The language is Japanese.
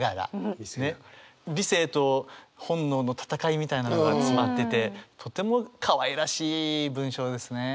みたいなのが詰まっててとてもかわいらしい文章ですね。